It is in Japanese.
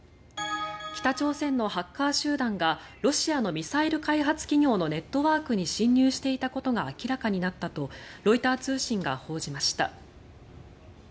北朝鮮のハッカー集団がロシアのミサイル開発企業のネットワークに侵入していたことが明らかになったとロイター通信が報じました。